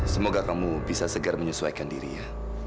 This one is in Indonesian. semoga kamu bisa segera menyesuaikan diri ya